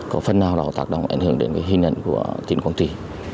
có phần nào đó tạc động ảnh hưởng đến hình ảnh của tỉnh quảng trị